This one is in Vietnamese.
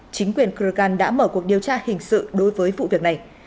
chính quyền kregan đã mở cuộc điều tra hình sự đối với vụ việc này